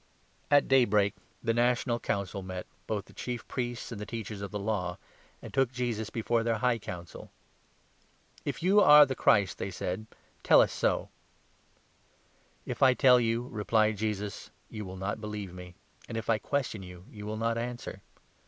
65 Jesus At daybreak the National Council met — both 66 before the the Chief Priests and the Teachers of the Law — Chief Priests. ancj took Jesus before their High Council. " If you are the Christ," they said, " tell us so." 67 "If I tell you," replied Jesus, "you will not believe me; and, if I question you, you will not answer.